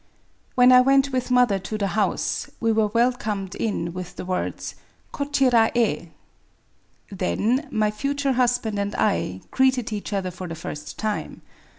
When I went with mother to the house, we were wel com.ed in with the words, Kochira e !" Then [my future husband and I] greeted each other for the first time.